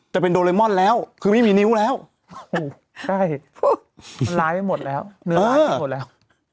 จะเป็นโดเรมอนแล้วคือไม่มีนิ้วแล้วใช่ร้ายไปหมดแล้วเนื้อร้ายไปหมดแล้ว